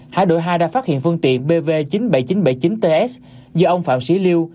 hải đội hai đã phát hiện phương tiện bv chín mươi bảy nghìn chín trăm bảy mươi chín ts do ông phạm sĩ liêu